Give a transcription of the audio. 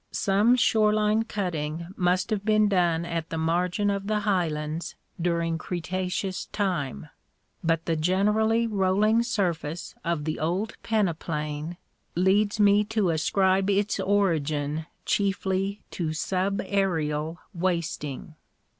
Some shore line cutting must have been done at the margin of the Highlands during Cretaceous time, but the generally roiling sur face of the old peneplain leads me to ascribe its origin chiefly to subaérial wasting.